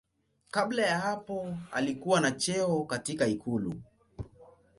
Kabla ya hapo alikuwa na cheo katika ikulu.